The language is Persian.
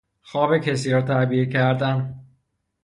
خواب کسی را تعبیر کردن